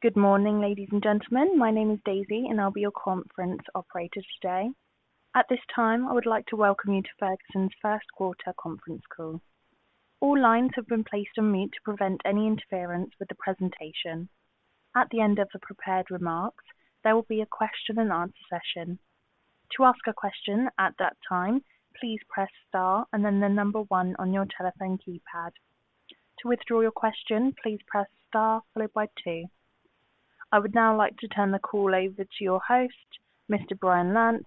Good morning, ladies and gentlemen. My name is Daisy, and I'll be your conference operator today. At this time, I would like to welcome you to Ferguson's First Quarter Conference Call. All lines have been placed on mute to prevent any interference with the presentation. At the end of the prepared remarks, there will be a question-and-answer session. To ask a question at that time, please press star and then the number one on your telephone keypad. To withdraw your question, please press star followed by two. I would now like to turn the call over to your host, Mr. Brian Lantz.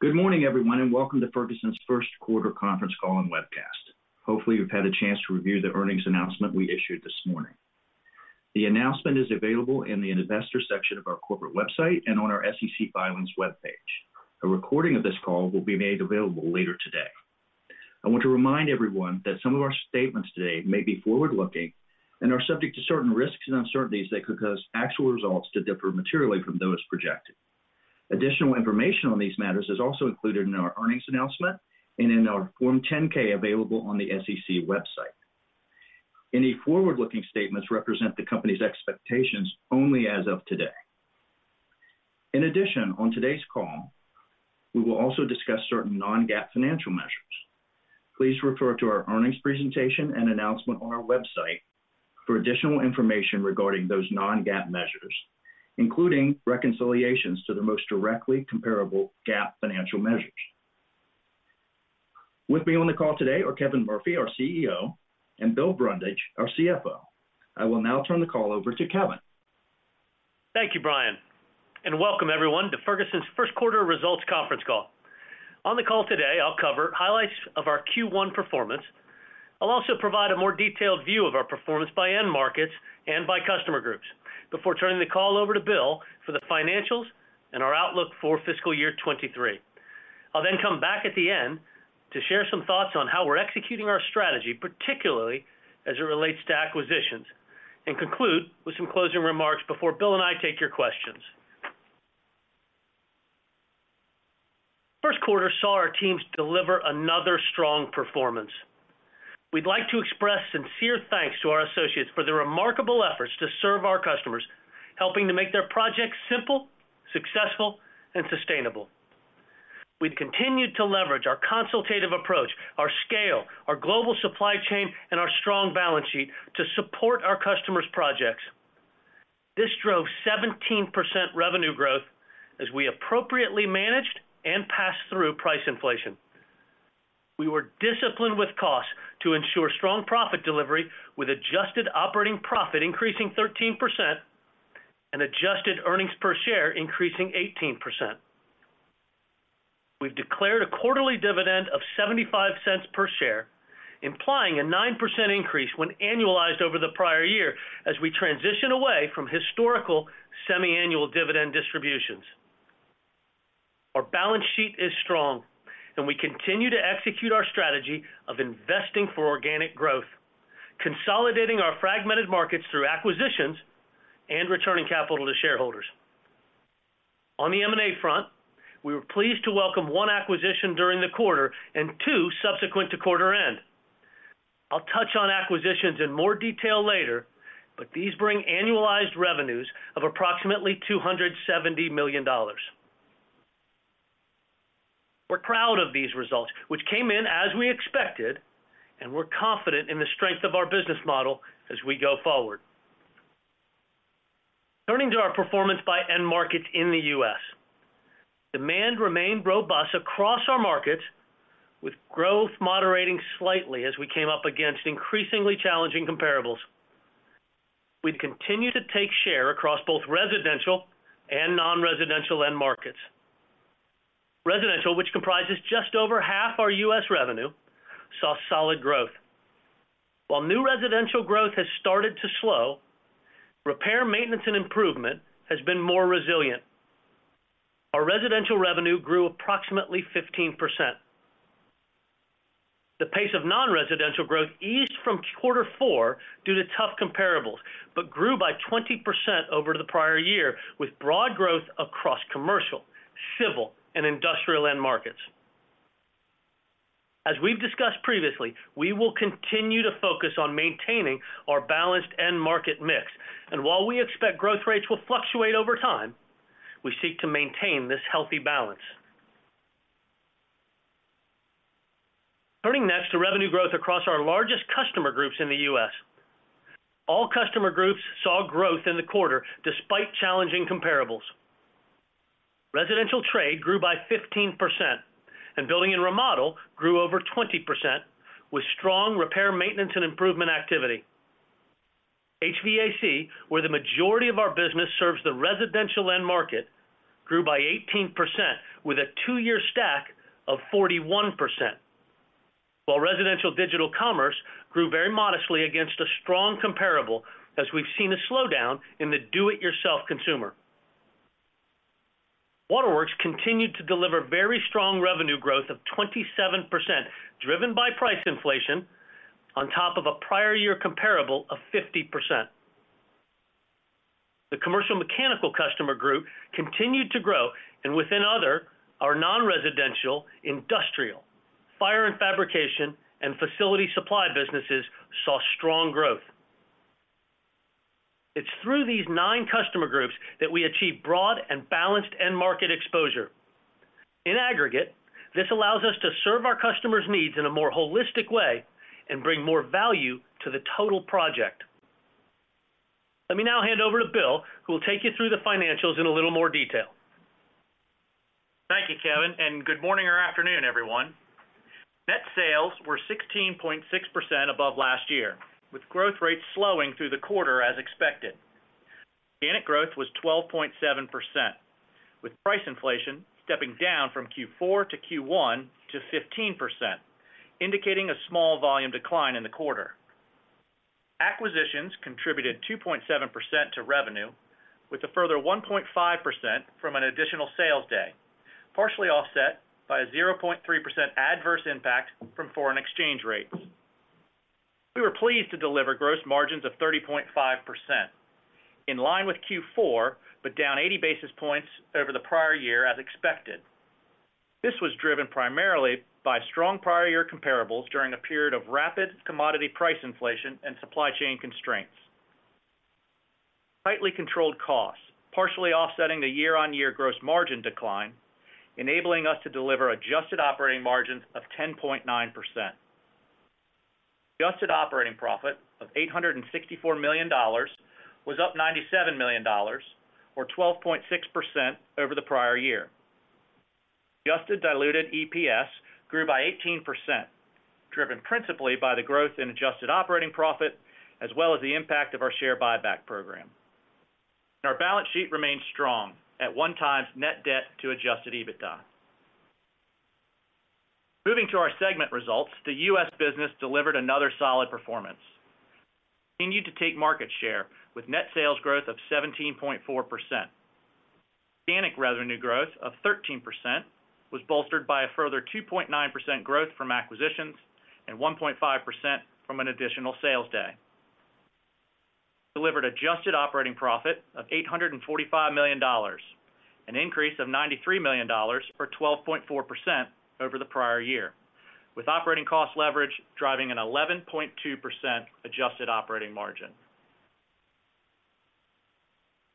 Good morning, everyone, and welcome to Ferguson's First Quarter Conference Call and Webcast. Hopefully, you've had a chance to review the earnings announcement we issued this morning. The announcement is available in the investor section of our corporate website and on our SEC Filings webpage. A recording of this call will be made available later today. I want to remind everyone that some of our statements today may be forward-looking and are subject to certain risks and uncertainties that could cause actual results to differ materially from those projected. Additional information on these matters is also included in our earnings announcement and in our Form 10-K available on the SEC website. Any forward-looking statements represent the company's expectations only as of today. In addition, on today's call, we will also discuss certain non-GAAP financial measures. Please refer to our earnings presentation and announcement on our website for additional information regarding those non-GAAP measures, including reconciliations to the most directly comparable GAAP financial measures. With me on the call today are Kevin Murphy, our CEO, and Bill Brundage, our CFO. I will now turn the call over to Kevin. Thank you, Brian, and welcome everyone to Ferguson's First Quarter Results Conference Call. On the call today, I'll cover highlights of our Q1 performance. I'll also provide a more detailed view of our performance by end markets and by customer groups before turning the call over to Bill for the financials and our outlook for fiscal year '23. I'll then come back at the end to share some thoughts on how we're executing our strategy, particularly as it relates to acquisitions, and conclude with some closing remarks before Bill and I take your questions. First quarter saw our teams deliver another strong performance. We'd like to express sincere thanks to our associates for their remarkable efforts to serve our customers, helping to make their projects simple, successful, and sustainable. We've continued to leverage our consultative approach, our scale, our global supply chain, and our strong balance sheet to support our customers' projects. This drove 17% revenue growth as we appropriately managed and passed through price inflation. We were disciplined with costs to ensure strong profit delivery, with adjusted operating profit increasing 13% and adjusted earnings per share increasing 18%. We've declared a quarterly dividend of $0.75 per share, implying a 9% increase when annualized over the prior year as we transition away from historical semiannual dividend distributions. Our balance sheet is strong, and we continue to execute our strategy of investing for organic growth, consolidating our fragmented markets through acquisitions and returning capital to shareholders. On the M&A front, we were pleased to welcome one acquisition during the quarter and two subsequent to quarter-end. I'll touch on acquisitions in more detail later. These bring annualized revenues of approximately $270 million. We're proud of these results, which came in as we expected, and we're confident in the strength of our business model as we go forward. Turning to our performance by end markets in the U.S. Demand remained robust across our markets, with growth moderating slightly as we came up against increasingly challenging comparables. We've continued to take share across both residential and non-residential end markets. Residential, which comprises just over half our U.S. revenue, saw solid growth. While new residential growth has started to slow, repair, maintenance, and improvement has been more resilient. Our residential revenue grew approximately 15%. The pace of non-residential growth eased from quarter four due to tough comparables, but grew by 20% over the prior year, with broad growth across commercial, civil, and industrial end markets. As we've discussed previously, we will continue to focus on maintaining our balanced end market mix. While we expect growth rates will fluctuate over time, we seek to maintain this healthy balance. Turning next to revenue growth across our largest customer groups in the U.S. All customer groups saw growth in the quarter despite challenging comparables. Residential trade grew by 15%, and building and remodel grew over 20%, with strong repair, maintenance, and improvement activity. HVAC, where the majority of our business serves the residential end market, grew by 18% with a two-year stack of 41%. While residential digital commerce grew very modestly against a strong comparable as we've seen a slowdown in the do-it-yourself consumer. Waterworks continued to deliver very strong revenue growth of 27%, driven by price inflation on top of a prior year comparable of 50%. The Commercial Mechanical customer group continued to grow, and within other, our non-residential, industrial, fire and fabrication, and facility supply businesses saw strong growth. It's through these nine customer groups that we achieve broad and balanced end market exposure. In aggregate, this allows us to serve our customers' needs in a more holistic way and bring more value to the total project. Let me now hand over to Bill, who will take you through the financials in a little more detail. Thank you, Kevin. Good morning or afternoon, everyone. Net sales were 16.6% above last year, with growth rates slowing through the quarter as expected. Organic growth was 12.7%, with price inflation stepping down from Q4 to Q1 to 15%, indicating a small volume decline in the quarter. Acquisitions contributed 2.7% to revenue, with a further 1.5% from an additional sales day, partially offset by a 0.3% adverse impact from foreign exchange rates. We were pleased to deliver gross margins of 30.5%, in line with Q4, down 80 basis points over the prior year as expected. This was driven primarily by strong prior year comparables during a period of rapid commodity price inflation and supply chain constraints. Tightly controlled costs, partially offsetting the year-on-year gross margin decline, enabling us to deliver adjusted operating margins of 10.9%. Adjusted operating profit of $864 million was up $97 million or 12.6% over the prior year. Adjusted diluted EPS grew by 18%, driven principally by the growth in adjusted operating profit as well as the impact of our share buyback program. Our balance sheet remains strong at 1x net debt to adjusted EBITDA. Moving to our segment results, the U.S. business delivered another solid performance. Continued to take market share with net sales growth of 17.4%. Organic revenue growth of 13% was bolstered by a further 2.9% growth from acquisitions and 1.5% from an additional sales day. Delivered adjusted operating profit of $845 million, an increase of $93 million or 12.4% over the prior year, with operating cost leverage driving an 11.2% adjusted operating margin.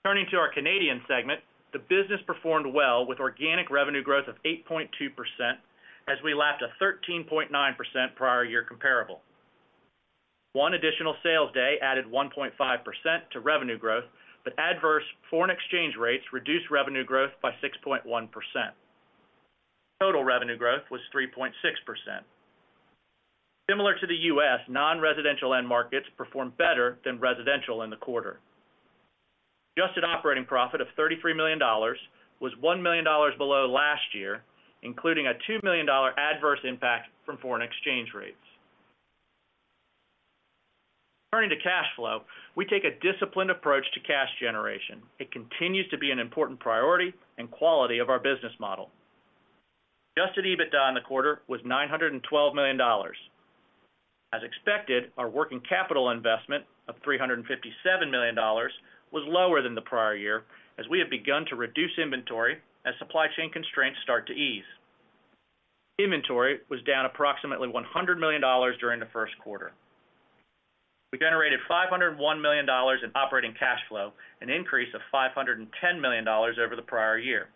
Turning to our Canadian segment, the business performed well with organic revenue growth of 8.2% as we lapped a 13.9% prior year comparable. One additional sales day added 1.5% to revenue growth, adverse foreign exchange rates reduced revenue growth by 6.1%. Total revenue growth was 3.6%. Similar to the U.S., non-residential end markets performed better than residential in the quarter. Adjusted operating profit of $33 million was $1 million below last year, including a $2 million adverse impact from foreign exchange rates. Turning to cash flow, we take a disciplined approach to cash generation. It continues to be an important priority and quality of our business model. Adjusted EBITDA in the quarter was $912 million. As expected, our working capital investment of $357 million was lower than the prior year as we have begun to reduce inventory as supply chain constraints start to ease. Inventory was down approximately $100 million during the first quarter. We generated $501 million in operating cash flow, an increase of $510 million over the prior year.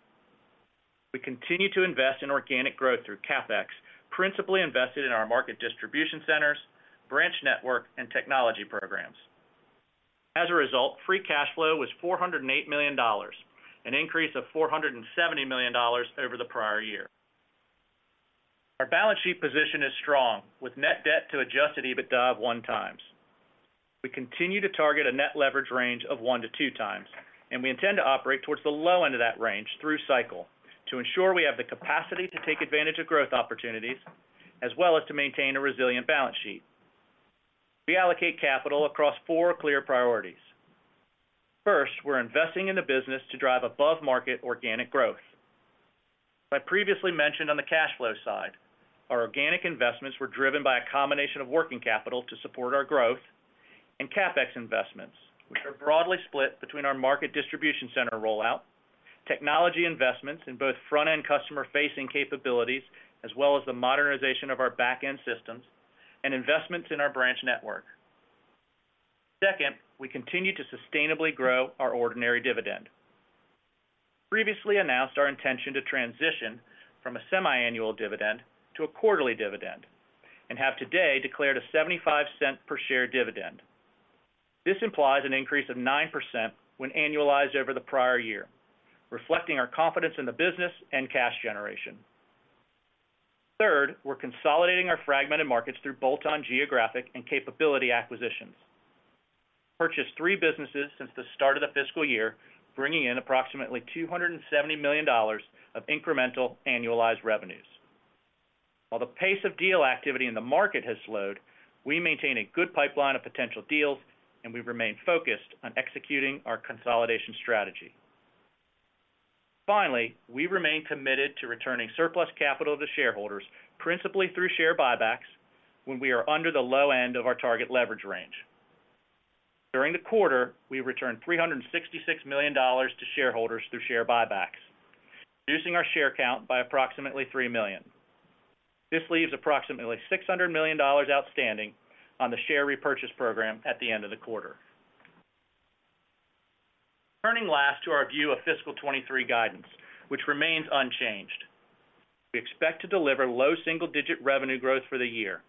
We continue to invest in organic growth through CapEx, principally invested in our market distribution centers, branch network, and technology programs. As a result, free cash flow was $408 million, an increase of $470 million over the prior year. Our balance sheet position is strong, with net debt to adjusted EBITDA of 1x. We continue to target a net leverage range of 1x-2x. We intend to operate towards the low end of that range through cycle to ensure we have the capacity to take advantage of growth opportunities as well as to maintain a resilient balance sheet. We allocate capital across four clear priorities. First, we're investing in the business to drive above-market organic growth. As I previously mentioned on the cash flow side, our organic investments were driven by a combination of working capital to support our growth and CapEx investments, which are broadly split between our market distribution center rollout, technology investments in both front-end customer-facing capabilities, as well as the modernization of our back-end systems and investments in our branch network. Second, we continue to sustainably grow our ordinary dividend. Previously announced our intention to transition from a semiannual dividend to a quarterly dividend and have today declared a $0.75 per share dividend. This implies an increase of 9% when annualized over the prior year, reflecting our confidence in the business and cash generation. Third, we're consolidating our fragmented markets through bolt-on geographic and capability acquisitions. Purchased three businesses since the start of the fiscal year, bringing in approximately $270 million of incremental annualized revenues. While the pace of deal activity in the market has slowed, we maintain a good pipeline of potential deals, and we remain focused on executing our consolidation strategy. Finally, we remain committed to returning surplus capital to shareholders, principally through share buybacks, when we are under the low end of our target leverage range. During the quarter, we returned $366 million to shareholders through share buybacks, reducing our share count by approximately 3 million. This leaves approximately $600 million outstanding on the share repurchase program at the end of the quarter. Turning last to our view of fiscal '23 guidance, which remains unchanged. We expect to deliver low single-digit revenue growth for the year,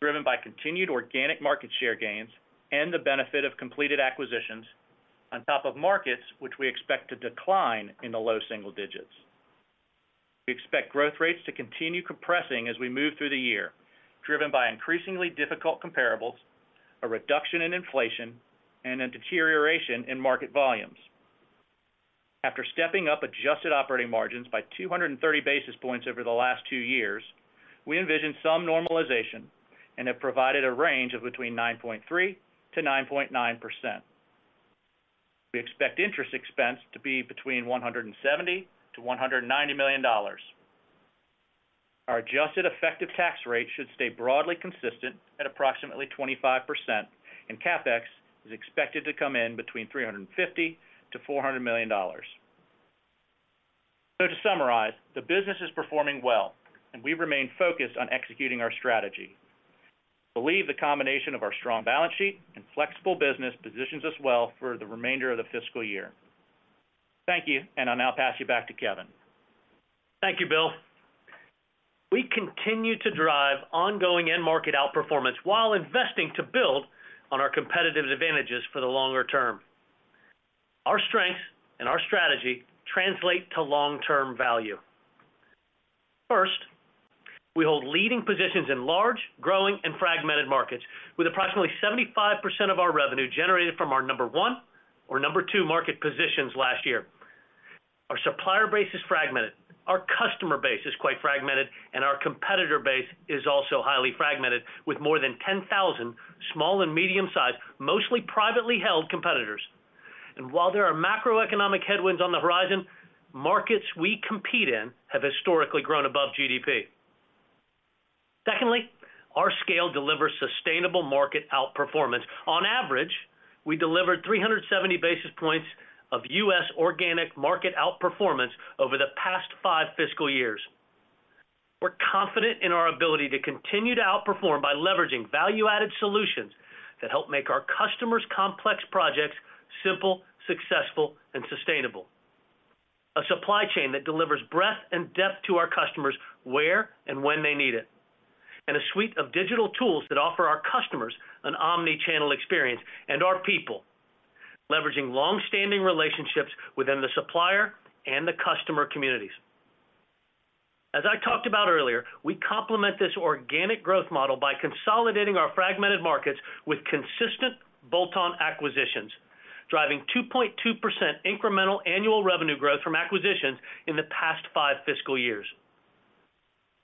driven by continued organic market share gains and the benefit of completed acquisitions on top of markets which we expect to decline in the low single digits. We expect growth rates to continue compressing as we move through the year, driven by increasingly difficult comparables, a reduction in inflation, and a deterioration in market volumes. After stepping up adjusted operating margins by 230 basis points over the last two years, we envision some normalization and have provided a range of between 9.3%-9.9%. We expect interest expense to be between $170 million to $190 million. Our adjusted effective tax rate should stay broadly consistent at approximately 25%, and CapEx is expected to come in between $350 million to $400 million. To summarize, the business is performing well and we remain focused on executing our strategy. Believe the combination of our strong balance sheet and flexible business positions us well for the remainder of the fiscal year. Thank you, and I'll now pass you back to Kevin. Thank you, Bill. We continue to drive ongoing end market outperformance while investing to build on our competitive advantages for the longer term. Our strengths and our strategy translate to long-term value. First, we hold leading positions in large, growing, and fragmented markets with approximately 75% of our revenue generated from our number one or number two market positions last year. Our supplier base is fragmented, our customer base is quite fragmented, and our competitor base is also highly fragmented with more than 10,000 small and medium-sized, mostly privately held competitors. While there are macroeconomic headwinds on the horizon, markets we compete in have historically grown above GDP. Secondly, our scale delivers sustainable market outperformance. On average, we delivered 370 basis points of U.S. organic market outperformance over the past 5 fiscal years. We're confident in our ability to continue to outperform by leveraging value-added solutions that help make our customers' complex projects simple, successful, and sustainable. A supply chain that delivers breadth and depth to our customers where and when they need it. A suite of digital tools that offer our customers an omni-channel experience and our people, leveraging long-standing relationships within the supplier and the customer communities. As I talked about earlier, we complement this organic growth model by consolidating our fragmented markets with consistent bolt-on acquisitions, driving 2.2% incremental annual revenue growth from acquisitions in the past five fiscal years.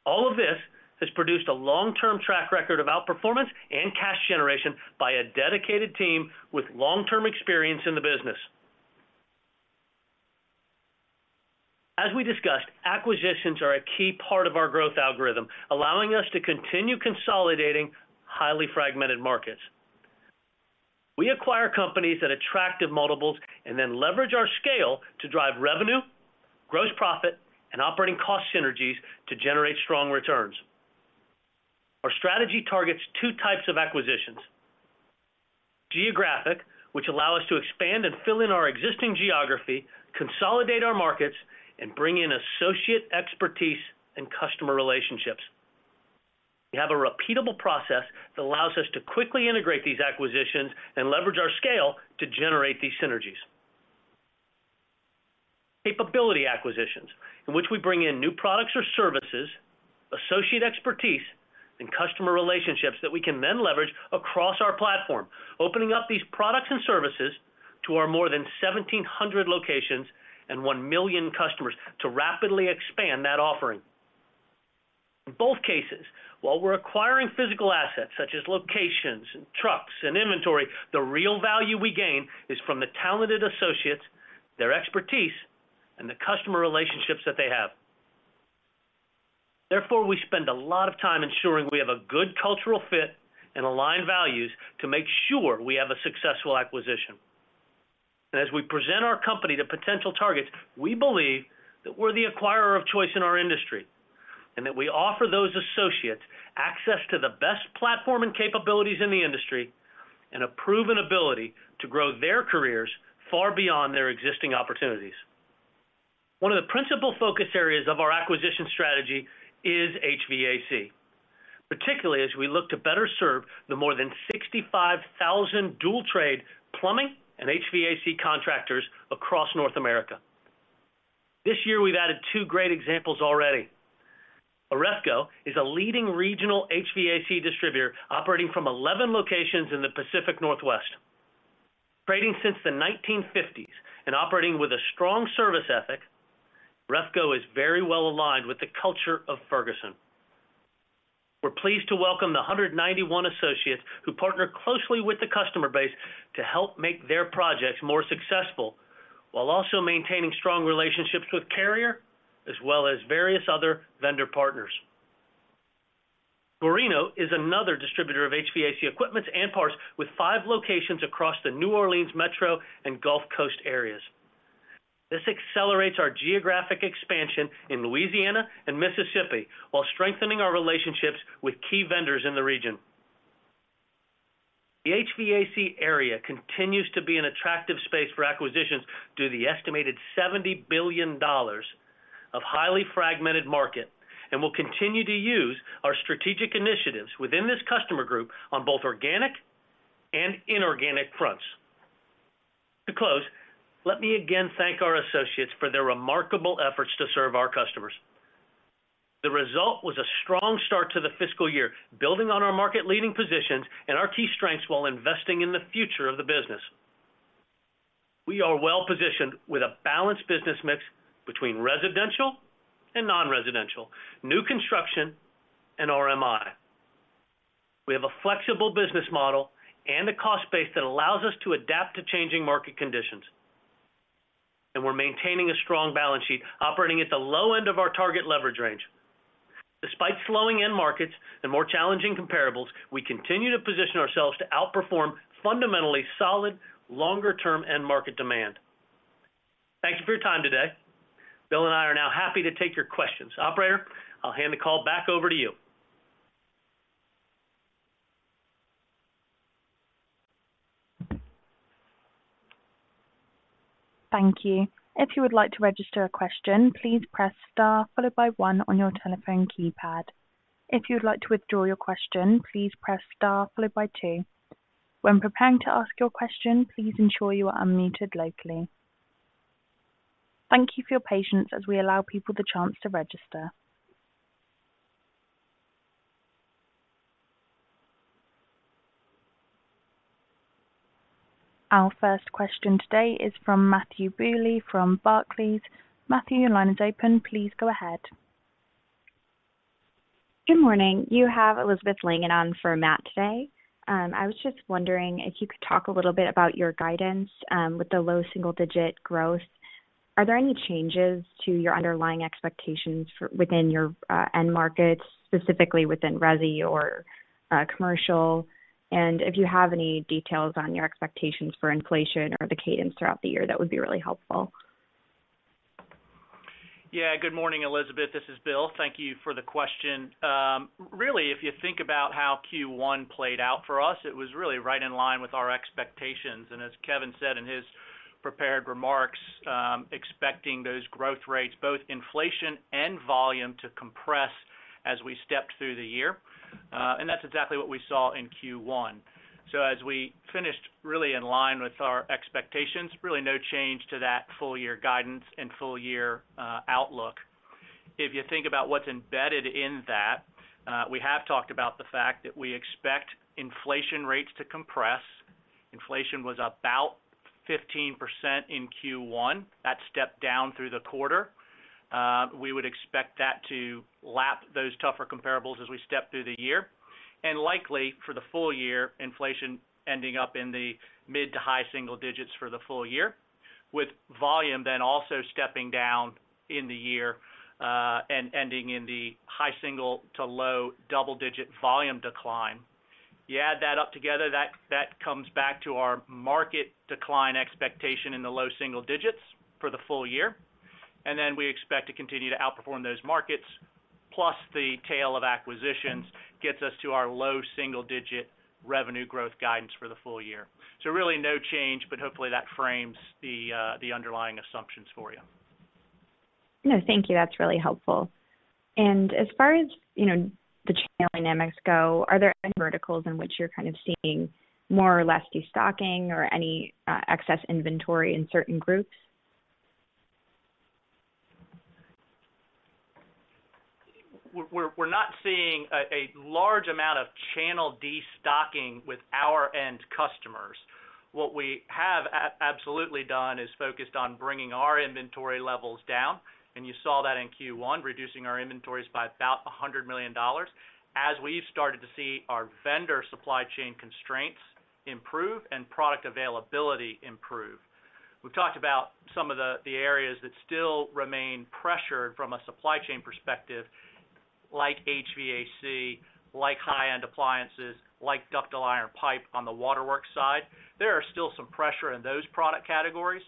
All of this has produced a long-term track record of outperformance and cash generation by a dedicated team with long-term experience in the business. As we discussed, acquisitions are a key part of our growth algorithm, allowing us to continue consolidating highly fragmented markets. We acquire companies at attractive multiples and then leverage our scale to drive revenue, gross profit, and operating cost synergies to generate strong returns. Our strategy targets two types of acquisitions. Geographic, which allow us to expand and fill in our existing geography, consolidate our markets, and bring in associate expertise and customer relationships. We have a repeatable process that allows us to quickly integrate these acquisitions and leverage our scale to generate these synergies. Capability acquisitions, in which we bring in new products or services, associate expertise, and customer relationships that we can then leverage across our platform, opening up these products and services to our more than 1,700 locations and 1 million customers to rapidly expand that offering. In both cases, while we're acquiring physical assets such as locations and trucks and inventory, the real value we gain is from the talented associates, their expertise, and the customer relationships that they have. Therefore, we spend a lot of time ensuring we have a good cultural fit and aligned values to make sure we have a successful acquisition. As we present our company to potential targets, we believe that we're the acquirer of choice in our industry, and that we offer those associates access to the best platform and capabilities in the industry and a proven ability to grow their careers far beyond their existing opportunities. One of the principal focus areas of our acquisition strategy is HVAC, particularly as we look to better serve the more than 65,000 dual trade plumbing and HVAC contractors across North America. This year, we've added 2 great examples already. Airefco is a leading regional HVAC distributor operating from 11 locations in the Pacific Northwest. Trading since the 1950s and operating with a strong service ethic, Airefco is very well aligned with the culture of Ferguson. We're pleased to welcome the 191 associates who partner closely with the customer base to help make their projects more successful, while also maintaining strong relationships with Carrier as well as various other vendor partners. Gorino is another distributor of HVAC equipments and parts with 5 locations across the New Orleans Metro and Gulf Coast areas. This accelerates our geographic expansion in Louisiana and Mississippi, while strengthening our relationships with key vendors in the region. The HVAC area continues to be an attractive space for acquisitions due to the estimated $70 billion of highly fragmented market, and we'll continue to use our strategic initiatives within this customer group on both organic and inorganic fronts. To close, let me again thank our associates for their remarkable efforts to serve our customers. The result was a strong start to the fiscal year, building on our market-leading positions and our key strengths while investing in the future of the business. We are well positioned with a balanced business mix between residential and non-residential, new construction and RMI. We have a flexible business model and a cost base that allows us to adapt to changing market conditions. We're maintaining a strong balance sheet, operating at the low end of our target leverage range. Despite slowing end markets and more challenging comparables, we continue to position ourselves to outperform fundamentally solid, longer-term end market demand. Thank you for your time today. Bill and I are now happy to take your questions. Operator, I'll hand the call back over to you. Thank you. If you would like to register a question, please press star followed by one on your telephone keypad. If you would like to withdraw your question, please press star followed by two. When preparing to ask your question, please ensure you are unmuted locally. Thank you for your patience as we allow people the chance to register. Our first question today is from Matthew Bouley from Barclays. Matthew, your line is open. Please go ahead. Good morning. You have Elizabeth Langan on for Matt today. I was just wondering if you could talk a little bit about your guidance, with the low single-digit growth. Are there any changes to your underlying expectations for within your end markets, specifically within resi or commercial? If you have any details on your expectations for inflation or the cadence throughout the year, that would be really helpful. Good morning, Elizabeth. This is Bill. Thank you for the question. Really, if you think about how Q1 played out for us, it was really right in line with our expectations. As Kevin said in his prepared remarks, expecting those growth rates, both inflation and volume, to compress as we stepped through the year. That's exactly what we saw in Q1. As we finished really in line with our expectations, really no change to that full year guidance and full year outlook. If you think about what's embedded in that, we have talked about the fact that we expect inflation rates to compress. Inflation was about 15% in Q1. That stepped down through the quarter. We would expect that to lap those tougher comparables as we step through the year. Likely for the full year, inflation ending up in the mid- to high single digits for the full year, with volume then also stepping down in the year, and ending in the high single- to low double-digit volume decline. You add that up together, that comes back to our market decline expectation in the low single digits for the full year. Then we expect to continue to outperform those markets, plus the tail of acquisitions gets us to our low single-digit revenue growth guidance for the full year. Really no change, but hopefully that frames the underlying assumptions for you. No, thank you. That's really helpful. As far as, you know, the channel dynamics go, are there any verticals in which you're kind of seeing more or less destocking or any excess inventory in certain groups? We're not seeing a large amount of channel destocking with our end customers. What we have absolutely done is focused on bringing our inventory levels down, and you saw that in Q1, reducing our inventories by about $100 million, as we started to see our vendor supply chain constraints improve and product availability improve. We've talked about some of the areas that still remain pressured from a supply chain perspective, like HVAC, like high-end appliances, like ductile iron pipe on the waterworks side. There are still some pressure in those product categories.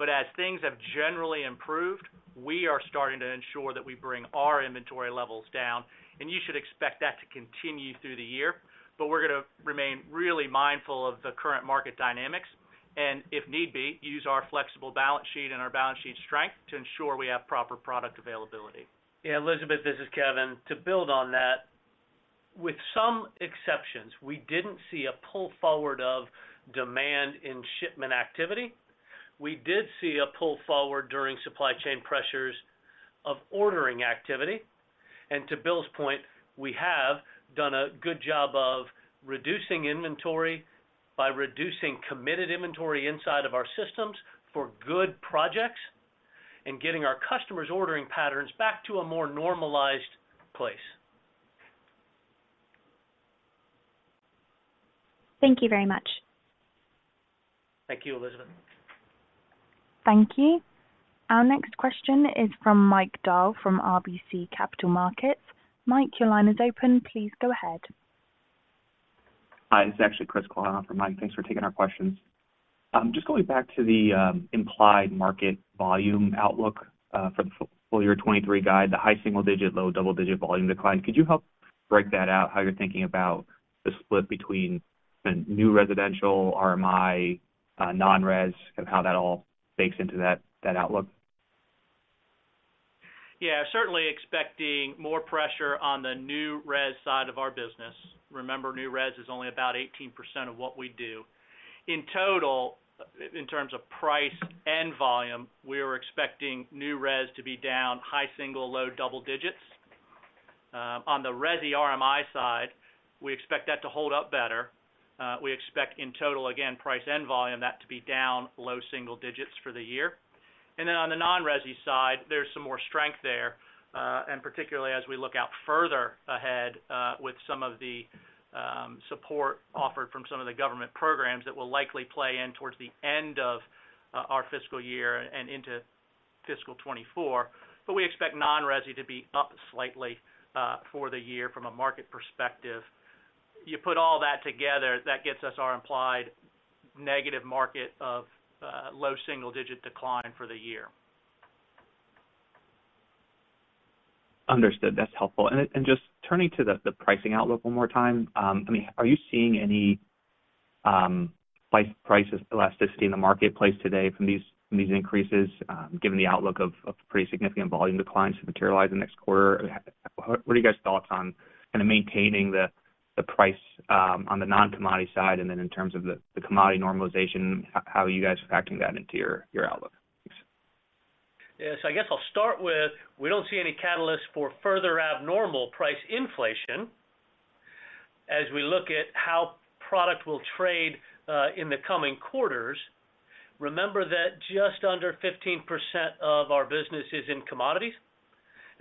As things have generally improved, we are starting to ensure that we bring our inventory levels down, and you should expect that to continue through the year. We're gonna remain really mindful of the current market dynamics, and if need be, use our flexible balance sheet and our balance sheet strength to ensure we have proper product availability. Elizabeth, this is Kevin. To build on that, with some exceptions, we didn't see a pull forward of demand in shipment activity. We did see a pull forward during supply chain pressures of ordering activity. To Bill's point, we have done a good job of reducing inventory by reducing committed inventory inside of our systems for good projects and getting our customers' ordering patterns back to a more normalized place. Thank you very much. Thank you, Elizabeth. Thank you. Our next question is from Mike Dahl from RBC Capital Markets. Mike, your line is open. Please go ahead. Hi, this is actually Chris for Mike. Thanks for taking our questions. Just going back to the implied market volume outlook for the full year 2023 guide, the high single-digit, low double-digit volume decline. Could you help break that out, how you're thinking about the split between the new residential RMI, non-res, and how that all bakes into that outlook? Certainly expecting more pressure on the new res side of our business. Remember, new res is only about 18% of what we do. In total, in terms of price and volume, we are expecting new res to be down high single-low double digits. On the resi RMI side, we expect that to hold up better. We expect in total, again, price and volume, that to be down low single digits for the year. On the non-resi side, there's some more strength there, and particularly as we look out further ahead, with some of the support offered from some of the government programs that will likely play in towards the end of our fiscal year and into fiscal 2024. We expect non-resi to be up slightly for the year from a market perspective. You put all that together, that gets us our implied negative market of low single-digit decline for the year. Understood. That's helpful. Just turning to the pricing outlook one more time. I mean, are you seeing any price elasticity in the marketplace today from these increases, given the outlook of pretty significant volume declines to materialize the next quarter? What are you guys' thoughts on kinda maintaining the price on the non-commodity side? Then in terms of the commodity normalization, how are you guys factoring that into your outlook? Thanks. Yes. I guess I'll start with, we don't see any catalyst for further abnormal price inflation as we look at how product will trade in the coming quarters. Remember that just under 15% of our business is in commodities.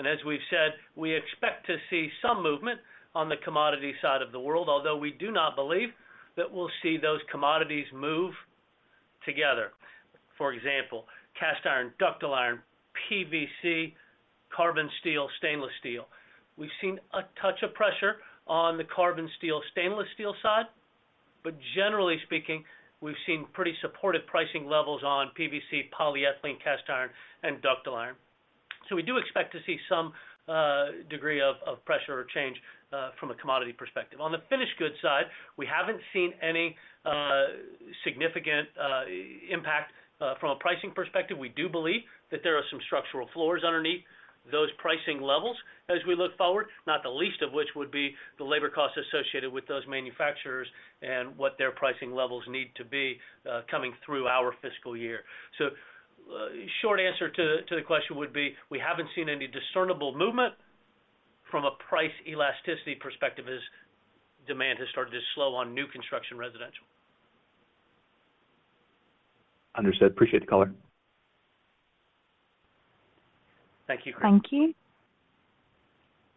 As we've said, we expect to see some movement on the commodity side of the world, although we do not believe that we'll see those commodities move together. For example, cast iron, ductile iron, PVC, carbon steel, stainless steel. We've seen a touch of pressure on the carbon steel, stainless steel side, but generally speaking, we've seen pretty supportive pricing levels on PVC, polyethylene, cast iron, and ductile iron. We do expect to see some degree of pressure or change from a commodity perspective. On the finished goods side, we haven't seen any significant impact from a pricing perspective. We do believe that there are some structural floors underneath those pricing levels as we look forward, not the least of which would be the labor costs associated with those manufacturers and what their pricing levels need to be, coming through our fiscal year. Short answer to the question would be, we haven't seen any discernible movement from a price elasticity perspective as demand has started to slow on new construction residential. Understood. Appreciate the color. Thank you. Thank you.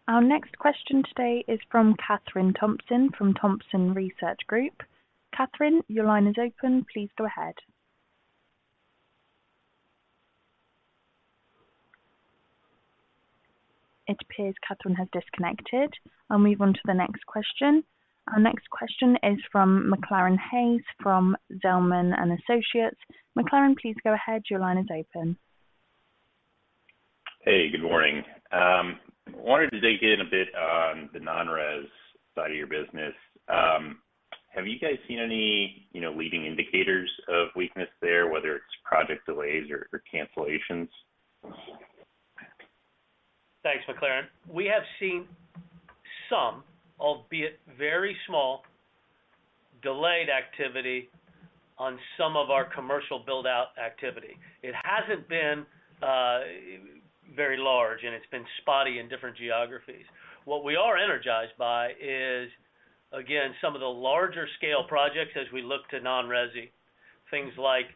Our next question today is from Kathryn Thompson from Thompson Research Group. Kathryn, your line is open. Please go ahead. It appears Kathryn has disconnected. I'll move on to the next question. Our next question is from McClaran Hayes from Zelman & Associates. McClaran, please go ahead. Your line is open. Hey, good morning. wanted to dig in a bit on the non-res side of your business. Have you guys seen any leading indicators of weakness there, whether it's project delays or cancellations? Thanks, McClaran. We have seen some, albeit very small, delayed activity on some of our commercial build-out activity. It hasn't been very large, and it's been spotty in different geographies. What we are energized by is, again, some of the larger-scale projects as we look to non-resi, things like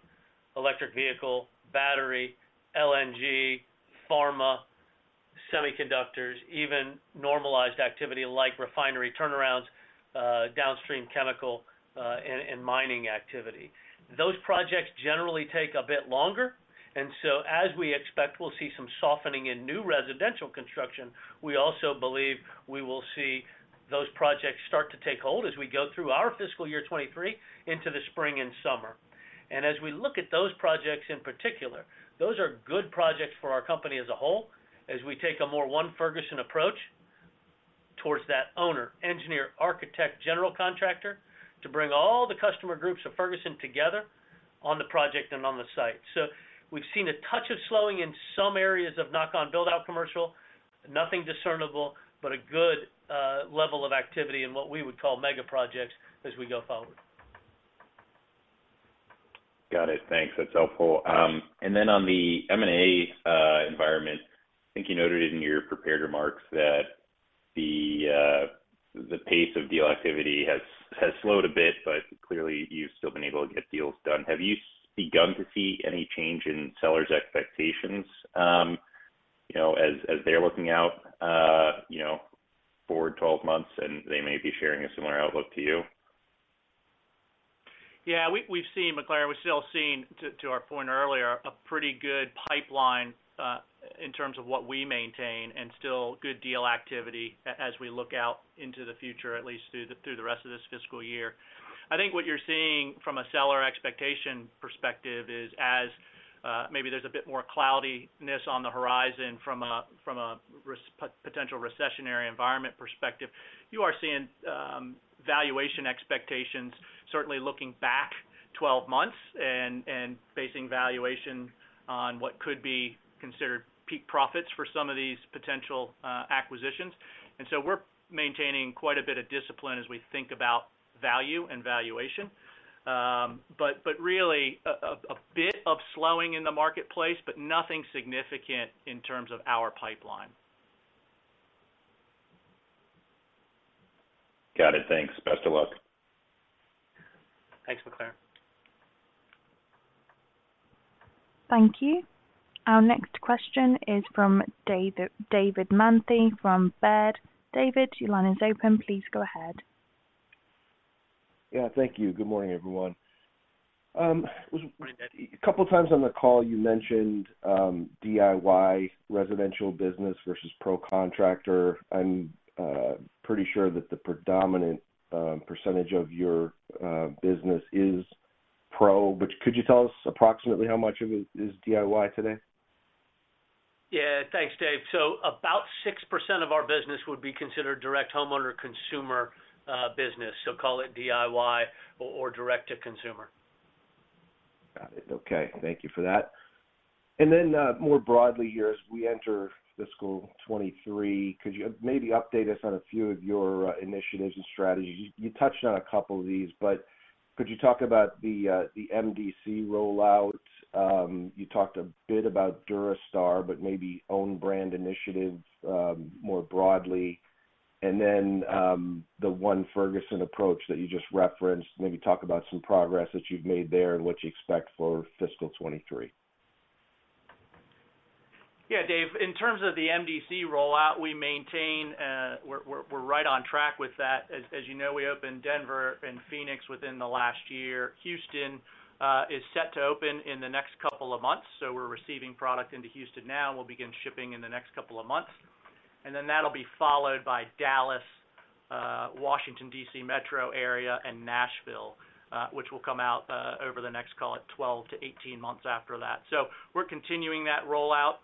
electric vehicle, battery, LNG, pharma, semiconductors, even normalized activity like refinery turnarounds, downstream chemical, and mining activity. Those projects generally take a bit longer. As we expect we'll see some softening in new residential construction, we also believe we will see those projects start to take hold as we go through our fiscal year 2023 into the spring and summer. As we look at those projects in particular, those are good projects for our company as a whole as we take a more ONE Ferguson approach towards that owner, engineer, architect, general contractor, to bring all the customer groups of Ferguson together on the project and on the site. We've seen a touch of slowing in some areas of knock-on build-out commercial. Nothing discernible, but a good level of activity in what we would call mega projects as we go forward. Got it. Thanks. That's helpful. On the M&A, I think you noted in your prepared remarks that the pace of deal activity has slowed a bit, but clearly you've still been able to get deals done. Have you begun to see any change in sellers' expectations, you know, as they're looking out, you know, forward 12 months and they may be sharing a similar outlook to you? We've seen, McClaran, we're still seeing, to our point earlier, a pretty good pipeline in terms of what we maintain and still good deal activity as we look out into the future, at least through the rest of this fiscal year. I think what you're seeing from a seller expectation perspective is as maybe there's a bit more cloudiness on the horizon from a potential recessionary environment perspective. You are seeing valuation expectations, certainly looking back 12 months and basing valuation on what could be considered peak profits for some of these potential acquisitions. We're maintaining quite a bit of discipline as we think about value and valuation. Really a bit of slowing in the marketplace, but nothing significant in terms of our pipeline. Got it. Thanks. Best of luck. Thanks, McClaran. Thank you. Our next question is from David Manthey from Baird. David, your line is open. Please go ahead. Thank you. Good morning, everyone. A couple of times on the call you mentioned DIY residential business versus pro contractor. I'm pretty sure that the predominant percentage of your business is pro, but could you tell us approximately how much of it is DIY today? Thanks, Dave. About 6% of our business would be considered direct homeowner consumer, business. Call it DIY or direct-to-consumer. Got it. Okay. Thank you for that. More broadly here, as we enter fiscal 2023, could you maybe update us on a few of your initiatives and strategies? You touched on a couple of these, but could you talk about the MDC rollout? You talked a bit about Durastar, but maybe own brand initiatives more broadly. The ONE Ferguson approach that you just referenced, maybe talk about some progress that you've made there and what you expect for fiscal 2023. Dave. In terms of the MDC rollout, we maintain, we're right on track with that. As you know, we opened Denver and Phoenix within the last year. Houston is set to open in the next couple of months, so we're receiving product into Houston now. We'll begin shipping in the next couple of months. Then that'll be followed by Dallas, Washington D.C. Metro area, and Nashville, which will come out over the next, call it, 12-18 months after that. We're continuing that rollout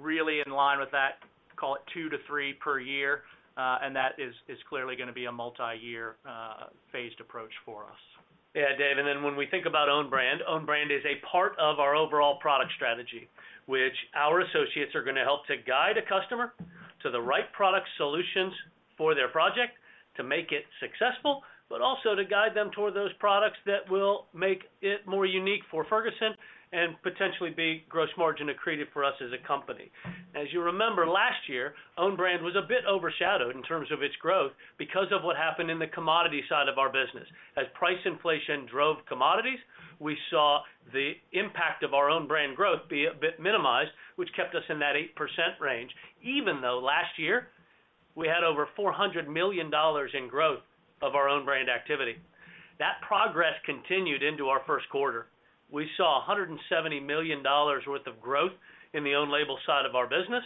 really in line with that, call it 2-3 per year, and that is clearly gonna be a multi-year phased approach for us. When we think about own brand, own brand is a part of our overall product strategy, which our associates are gonna help to guide a customer to the right product solutions for their project to make it successful, but also to guide them toward those products that will make it more unique for Ferguson and potentially be gross margin accretive for us as a company. As you remember, last year, own brand was a bit overshadowed in terms of its growth because of what happened in the commodity side of our business. As price inflation drove commodities, we saw the impact of our own brand growth be a bit minimized, which kept us in that 8% range, even though last year we had over $400 million in growth of our own brand activity. That progress continued into our first quarter. We saw $170 million worth of growth in the own label side of our business,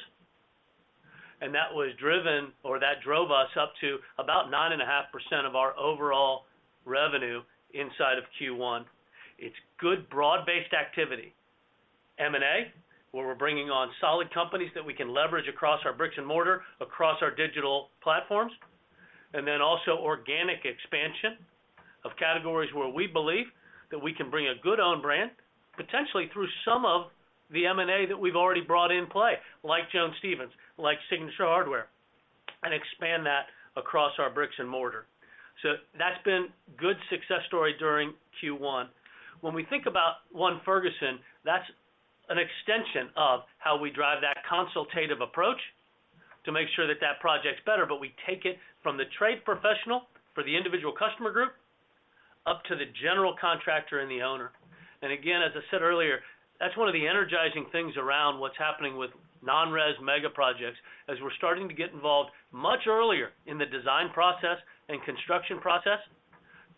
and that was driven or that drove us up to about 9.5% of our overall revenue inside of Q1. It's good broad-based activity. M&A, where we're bringing on solid companies that we can leverage across our bricks and mortar, across our digital platforms, and then also organic expansion of categories where we believe that we can bring a good own brand, potentially through some of the M&A that we've already brought in play, like Jones Stephens, like Signature Hardware, and expand that across our bricks and mortar. That's been good success story during Q1. When we think about ONE Ferguson, that's an extension of how we drive that consultative approach to make sure that project's better. We take it from the trade professional for the individual customer group, up to the general contractor and the owner. Again, as I said earlier, that's one of the energizing things around what's happening with non-res mega projects as we're starting to get involved much earlier in the design process and construction process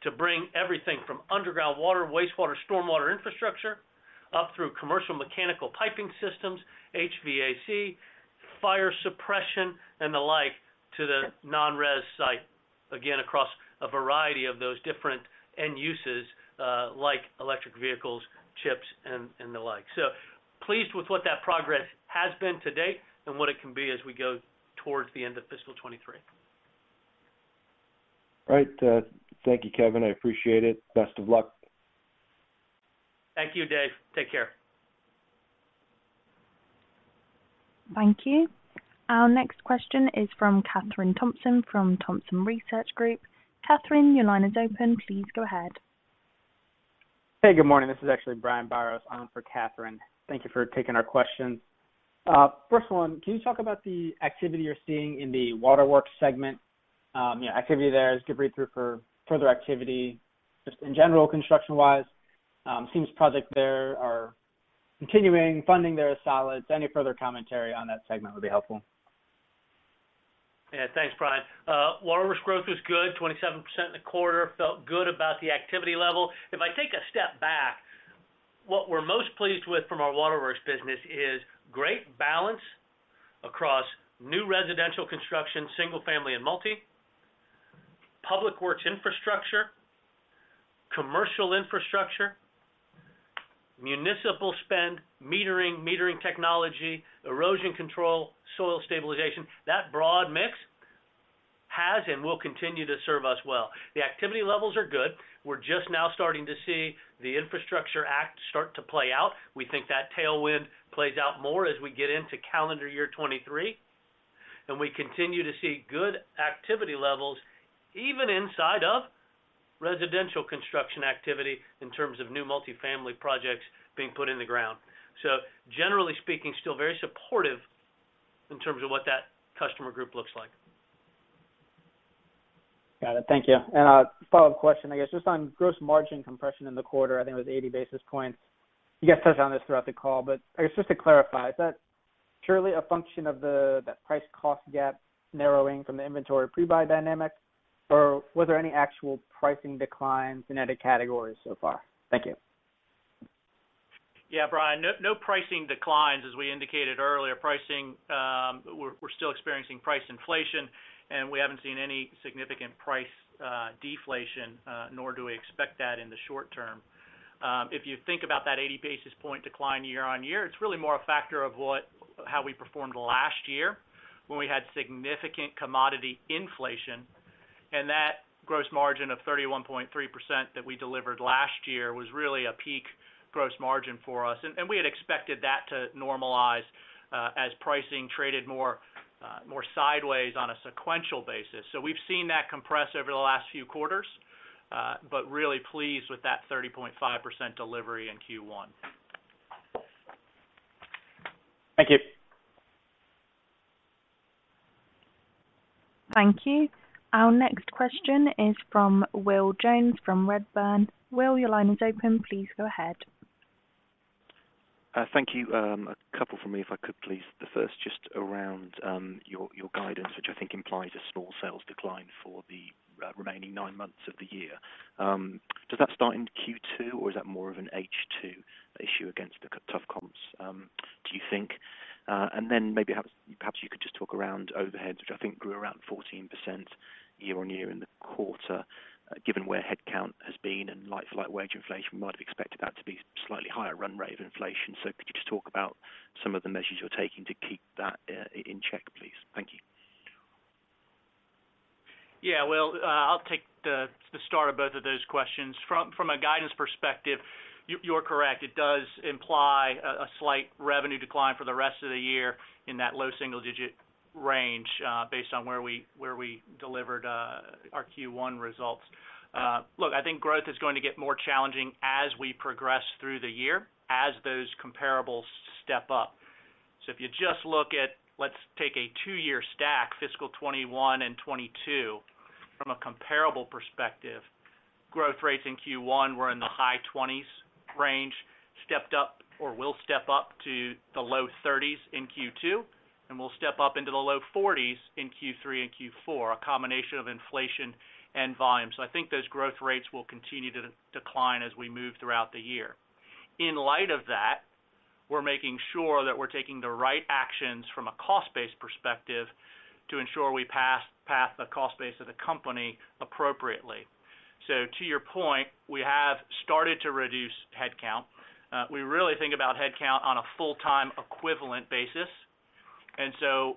to bring everything from underground water, wastewater, stormwater infrastructure up through Commercial Mechanical piping systems, HVAC, fire suppression, and the like to the non-res site, again, across a variety of those different end uses, like electric vehicles, chips and the like. Pleased with what that progress has been to date and what it can be as we go towards the end of fiscal '23. All right. Thank you, Kevin. I appreciate it. Best of luck. Thank you, Dave. Take care. Thank you. Our next question is from Kathryn Thompson from Thompson Research Group. Kathryn, your line is open. Please go ahead. Hey, good morning. This is actually Brian Biros on for Kathryn. Thank you for taking our questions. First one, can you talk about the activity you're seeing in the waterworks segment? You know, activity there is good read through for further activity. Just in general, construction-wise, seems projects there are continuing, funding there is solid. Any further commentary on that segment would be helpful. Thanks, Brian. waterworks growth was good, 27% in the quarter. Felt good about the activity level. If I take a step back, what we're most pleased with from our waterworks business is great balance across new residential construction, single family and multi, public works infrastructure, commercial infrastructure, municipal spend, metering technology, erosion control, soil stabilization. That broad mix has and will continue to serve us well. The activity levels are good. We're just now starting to see the Infrastructure Act start to play out. We think that tailwind plays out more as we get into calendar year 2023, and we continue to see good activity levels even inside of residential construction activity in terms of new multifamily projects being put in the ground. Generally speaking, still very supportive in terms of what that customer group looks like. A follow-up question, I guess just on gross margin compression in the quarter, I think it was 80 basis points. You guys touched on this throughout the call, but I guess just to clarify, is that purely a function of that price cost gap narrowing from the inventory pre-buy dynamic, or was there any actual pricing declines in any categories so far? Thank you. Brian, no pricing declines as we indicated earlier. Pricing, we're still experiencing price inflation, and we haven't seen any significant price deflation, nor do we expect that in the short term. If you think about that 80 basis point decline year-over-year, it's really more a factor of how we performed last year when we had significant commodity inflation. That gross margin of 31.3% that we delivered last year was really a peak gross margin for us. We had expected that to normalize as pricing traded more sideways on a sequential basis. We've seen that compress over the last few quarters, but really pleased with that 30.5% delivery in Q1. Thank you. Thank you. Our next question is from Will Jones from Redburn. Will, your line is open. Please go ahead. Thank you. A couple from me if I could please. The first just around your guidance, which I think implies a small sales decline for the remaining nine months of the year. Does that start in Q2 or is that more of an H2 issue against the tough comps, do you think? Then maybe perhaps you could just talk around overheads, which I think grew around 14% year-on-year in the quarter, given where headcount has been and light for light wage inflation, we might have expected that to be slightly higher run rate of inflation. Could you just talk about some of the measures you're taking to keep that in check, please? Thank you. Will, I'll take the start of both of those questions. From a guidance perspective, you're correct. It does imply a slight revenue decline for the rest of the year in that low single-digit range, based on where we delivered our Q1 results. Look, I think growth is going to get more challenging as we progress through the year as those comparables step up. If you just look at, let's take a two-year stack, fiscal 2021 and 2022 from a comparable perspective, growth rates in Q1 were in the high 20s range, stepped up or will step up to the low 30s in Q2, and will step up into the low 40s in Q3 and Q4, a combination of inflation and volume. I think those growth rates will continue to decline as we move throughout the year. In light of that, we're making sure that we're taking the right actions from a cost base perspective to ensure we path the cost base of the company appropriately. To your point, we have started to reduce headcount. We really think about headcount on a full-time equivalent basis.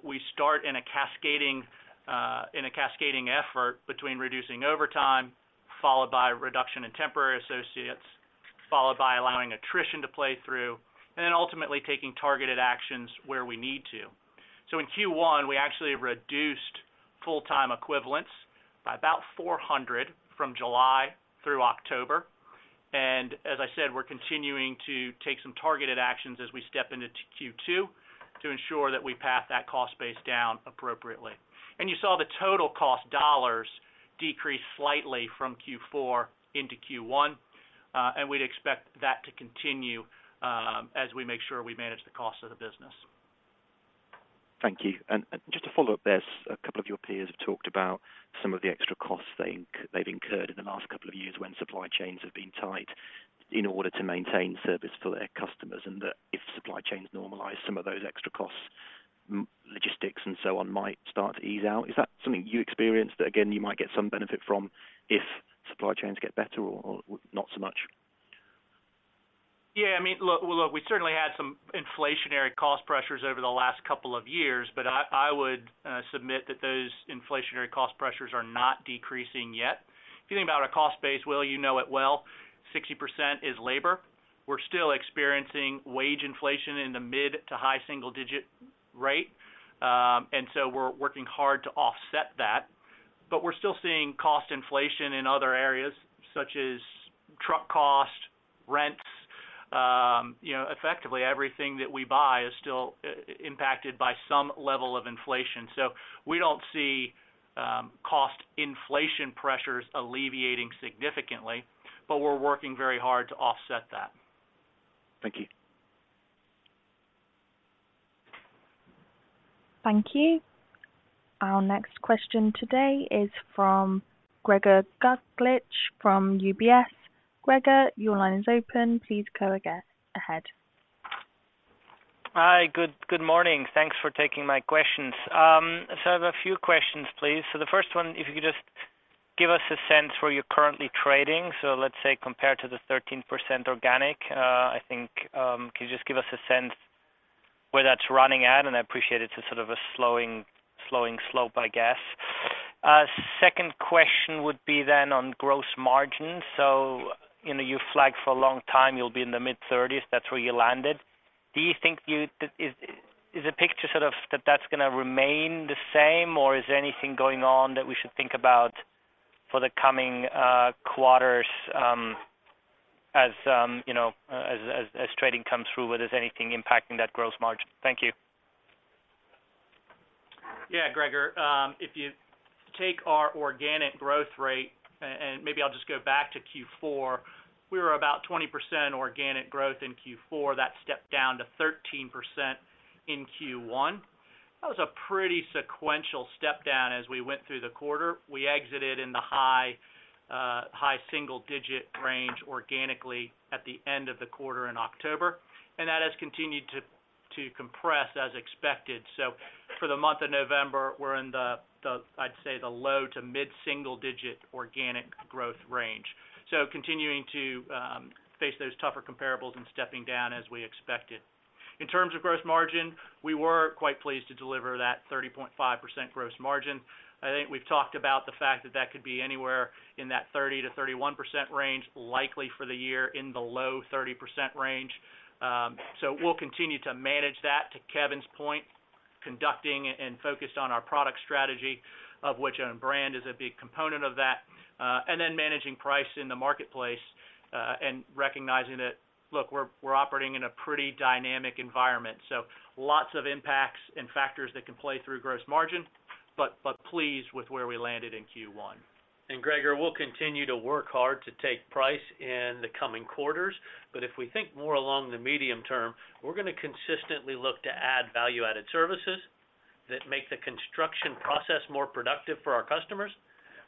We start in a cascading effort between reducing overtime, followed by a reduction in temporary associates, followed by allowing attrition to play through, and then ultimately taking targeted actions where we need to. In Q1, we actually reduced full-time equivalents by about 400 from July through October. As I said, we're continuing to take some targeted actions as we step into Q2 to ensure that we path that cost base down appropriately. You saw the total cost dollars decrease slightly from Q4 into Q1, and we'd expect that to continue, as we make sure we manage the cost of the business. Thank you. Just to follow up this, a couple of your peers have talked about some of the extra costs they've incurred in the last couple of years when supply chains have been tight in order to maintain service for their customers, and that if supply chains normalize some of those extra costs, logistics and so on, might start to ease out. Is that something you experience that again, you might get some benefit from if supply chains get better or not so much? I mean, look, we certainly had some inflationary cost pressures over the last couple of years, but I would submit that those inflationary cost pressures are not decreasing yet. If you think about our cost base, Will, you know it well. 60% is labor. We're still experiencing wage inflation in the mid to high single-digit rate. We're working hard to offset that. We're still seeing cost inflation in other areas such as truck cost, rents, you know, effectively everything that we buy is still impacted by some level of inflation. We don't see cost inflation pressures alleviating significantly, but we're working very hard to offset that. Thank you. Thank you. Our next question today is from Gregor Kuglitsch from UBS. Gregor, your line is open. Please go ahead. Hi. Good morning. Thanks for taking my questions. I have a few questions, please. The first one, if you could just give us a sense where you're currently trading. Let's say compared to the 13% organic, I think, could you just give us a sense where that's running at? I appreciate it's a sort of a slowing slope, I guess. Second question would be on gross margins. You know, you flagged for a long time you'll be in the mid-30s, that's where you landed. Do you think Is the picture sort of that's gonna remain the same or is there anything going on that we should think about for the coming quarters, as, you know, trading comes through, whether there's anything impacting that gross margin? Thank you. Gregor. If you take our organic growth rate, and maybe I'll just go back to Q4, we were about 20% organic growth in Q4. That stepped down to 13% in Q1. That was a pretty sequential step down as we went through the quarter. We exited in the high, high single digit range organically at the end of the quarter in October, and that has continued to compress as expected. For the month of November, we're in the, I'd say, the low to mid single digit organic growth range. Continuing to face those tougher comparables and stepping down as we expected. In terms of gross margin, we were quite pleased to deliver that 30.5% gross margin. I think we've talked about the fact that that could be anywhere in that 30%-31% range, likely for the year in the low 30% range. We'll continue to manage that, to Kevin's point, conducting and focused on our product strategy of which own brand is a big component of that, and then managing price in the marketplace, and recognizing that, look, we're operating in a pretty dynamic environment. Lots of impacts and factors that can play through gross margin, but pleased with where we landed in Q1. Gregor, we'll continue to work hard to take price in the coming quarters. If we think more along the medium term, we're gonna consistently look to add value-added services that make the construction process more productive for our customers.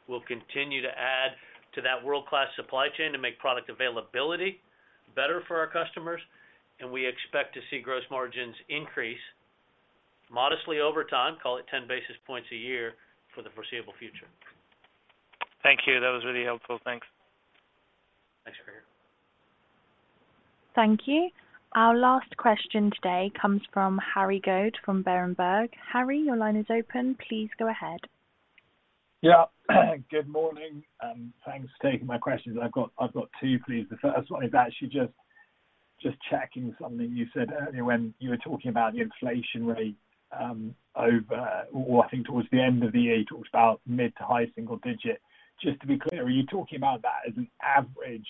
We'll continue to add to that world-class supply chain to make product availability better for our customers, and we expect to see gross margins increase modestly over time. Call it 10 basis points a year for the foreseeable future. Thank you. That was really helpful. Thanks. Thanks, Gregor. Thank you. Our last question today comes from Harry Goad from Berenberg. Harry, your line is open. Please go ahead. Good morning, thanks for taking my questions. I've got two, please. The first one is actually just checking something you said earlier when you were talking about the inflation rate, over or I think towards the end of the year, you talked about mid-to-high single digit. Just to be clear, are you talking about that as an average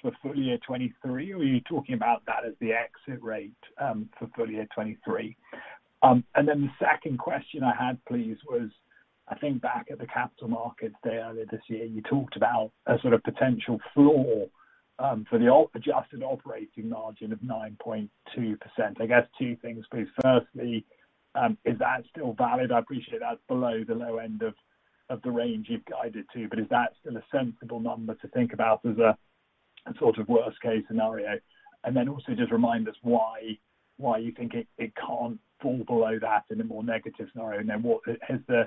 for full year '23, or are you talking about that as the exit rate, for full year '23? The second question I had, please, was, I think back at the Capital Markets Day earlier this year, you talked about a potential floor, for the adjusted operating margin of 9.2%. I guess two things, please. Firstly, is that still valid? I appreciate that's below the low end of the range you've guided to, but is that still a sensible number to think about as a sort of worst-case scenario? Then also just remind us why you think it can't fall below that in a more negative scenario? Then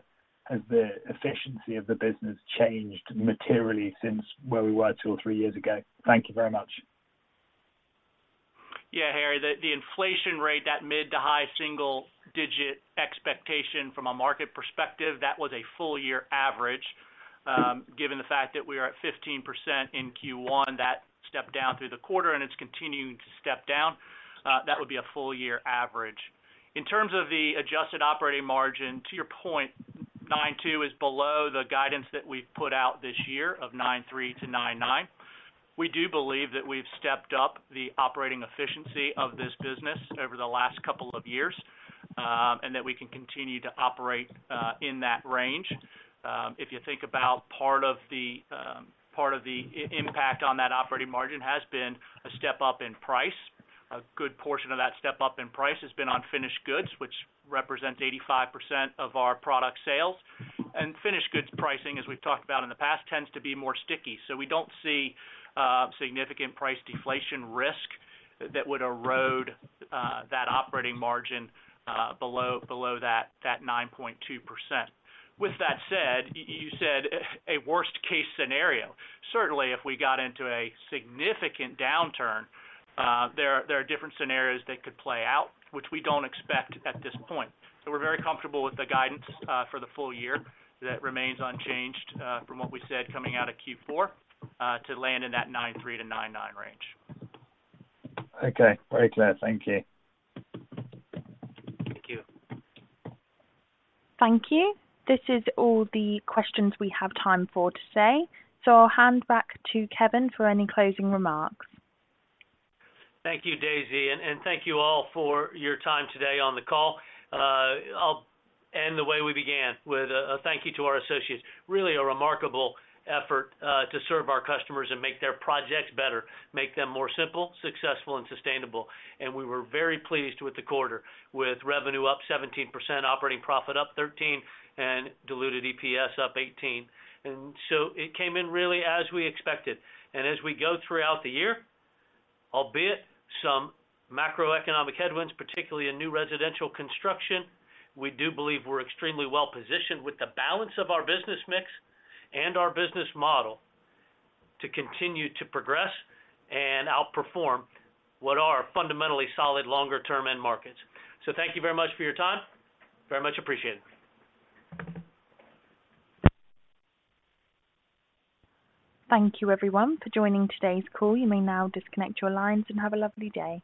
Has the efficiency of the business changed materially since where we were two or three years ago? Thank you very much. Harry. The inflation rate, that mid to high single-digit expectation from a market perspective, that was a full-year average. Given the fact that we are at 15% in Q1, that stepped down through the quarter and it's continuing to step down. That would be a full-year average. In terms of the adjusted operating margin, to your point, 9.2% is below the guidance that we've put out this year of 9.3%-9.9%. We do believe that we've stepped up the operating efficiency of this business over the last couple of years, and that we can continue to operate in that range. If you think about part of the part of the impact on that operating margin has been a step up in price. A good portion of that step up in price has been on finished goods, which represents 85% of our product sales. Finished goods pricing, as we've talked about in the past, tends to be more sticky. We don't see significant price deflation risk that would erode that operating margin below that 9.2%. With that said, you said a worst-case scenario. Certainly, if we got into a significant downturn, there are different scenarios that could play out, which we don't expect at this point. We're very comfortable with the guidance for the full year that remains unchanged from what we said coming out of Q4 to land in that 9.3%-9.9% range. Okay. Very clear. Thank you. Thank you. Thank you. This is all the questions we have time for today. I'll hand back to Kevin for any closing remarks. Thank you, Daisy, and thank you all for your time today on the call. I'll end the way we began with a thank you to our associates. Really a remarkable effort to serve our customers and make their projects better, make them more simple, successful and sustainable. We were very pleased with the quarter, with revenue up 17%, operating profit up 13%, and diluted EPS up 18%. It came in really as we expected. As we go throughout the year, albeit some macroeconomic headwinds, particularly in new residential construction, we do believe we're extremely well-positioned with the balance of our business mix and our business model to continue to progress and outperform what fundamentally solid longer-term end markets are. Thank you very much for your time. Very much appreciated. Thank you everyone for joining today's call. You may now disconnect your lines and have a lovely day.